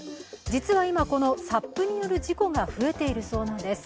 実は今このＳＵＰによる事故が増えているそうなんです。